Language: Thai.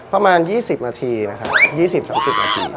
ประมาณ๒๐นาทีนะครับ๒๐๓๐นาที